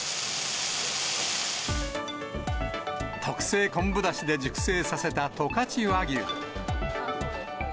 特製昆布だしで熟成させた十勝和牛。